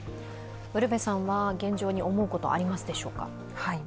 ウルヴェさんは現状に思うことありますでしょうか？